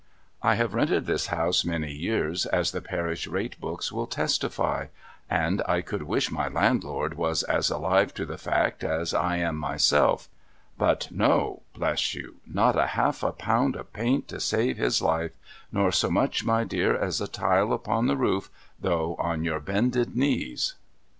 I have rented this house many years, as the parish rate books will testify ; and I could wish my landlord was as alive to the fact as I am myself; but no, bless you, not a half a pound of paint to save his life, nor so much, my dear, as a tile upon the roof, though on your bended knees.